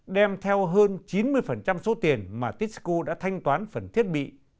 đem theo hơn chín mươi số tiền mà tisco đã thanh toán phần thiết bị